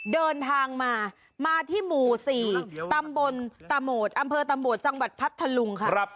เดินทางมามาที่หมู่๔อำเภอตำบวชจังหวัดพัทธลุงค่ะ